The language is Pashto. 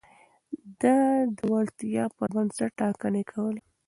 ده د وړتيا پر بنسټ ټاکنې کولې.